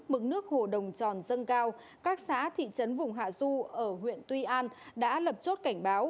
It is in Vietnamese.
mực nước hồ đồng tròn dâng cao các xã thị trấn vùng hạ du ở huyện tuy an đã lập chốt cảnh báo